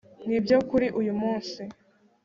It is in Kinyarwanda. nibyo kuri uyu munsi